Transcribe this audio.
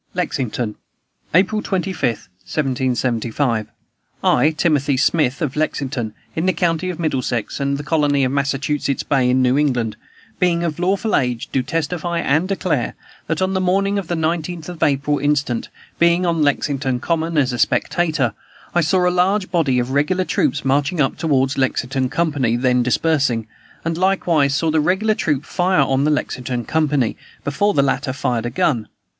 "LEXINGTON, April 25, 1775. "I, Timothy Smith, of Lexington, in the county of Middlesex, and colony of Massachusetts Bay, in New England, being of lawful age, do testify and declare, that, on the morning of the 19th of April instant, being on Lexington common, as a spectator, I saw a large body of regular troops marching up toward the Lexington company, then dispersing, and likewise saw the regular troops fire on the Lexington company, before the latter fired a gun.